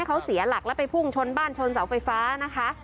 อายุ๖๐คนนี้เจ้าของบ้านที่ได้รับความเสียหาย